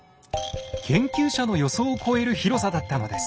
研究者の予想を超える広さだったのです。